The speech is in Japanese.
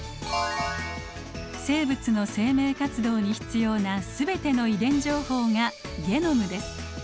生物の生命活動に必要な全ての遺伝情報がゲノムです。